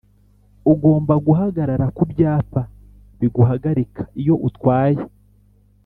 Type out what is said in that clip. Ugomba guhagarara ku byapa biguhagarika iyo utwaye